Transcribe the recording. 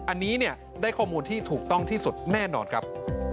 อันนี้เนี่ยได้ข้อมูลที่ถูกต้องที่สุดแน่นอนครับ